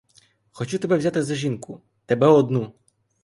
Хочу тебе взяти за жінку, тебе одну!